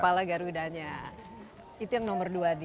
pembicara tiga puluh itu yang nomor dua di